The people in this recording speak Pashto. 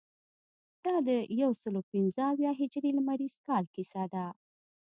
دا د یوسلو پنځه اویا هجري لمریز کال کیسه ده.